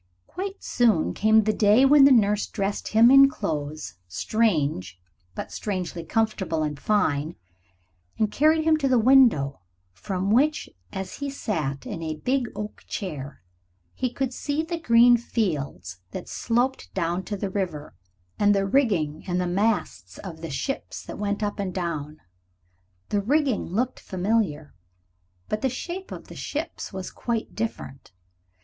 Quite soon came the day when the nurse dressed him in clothes strange, but strangely comfortable and fine, and carried him to the window, from which, as he sat in a big oak chair, he could see the green fields that sloped down to the river, and the rigging and the masts of the ships that went up and down. The rigging looked familiar, but the shape of the ships was quite different.